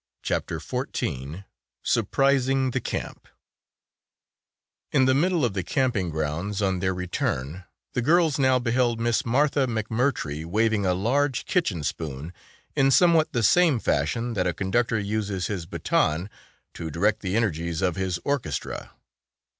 CHAPTER XIV SURPRISING THE CAMP In the middle of the camping grounds on their return the girls now beheld Miss Martha McMurtry waving a large kitchen spoon in somewhat the same fashion that a conductor uses his baton to direct the energies of his orchestra.